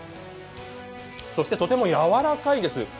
そしてとてもやわらかいです。